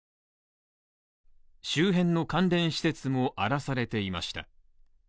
周辺の関連施設も荒らされていました。